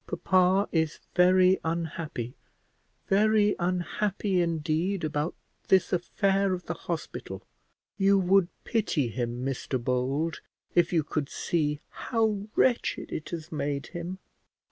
Papa is very unhappy, very unhappy indeed, about this affair of the hospital: you would pity him, Mr Bold, if you could see how wretched it has made him."